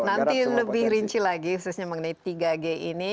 nanti lebih rinci lagi khususnya mengenai tiga g ini